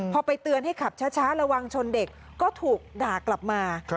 พอไปเตือนให้ขับช้าระวังชนเด็กก็ถูกด่ากลับมา